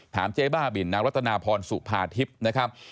เจ๊บ้าบินนางรัตนาพรสุภาทิพย์นะครับ